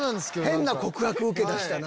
変な告白受けた。